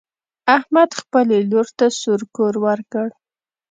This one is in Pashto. احمد خپلې لور ته سور کور ورکړ.